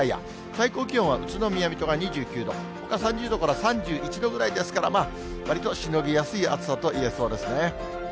最高気温は宇都宮、水戸が２９度、３０度から３１度ぐらいですから、まあ、わりとしのぎやすい暑さと言えそうですね。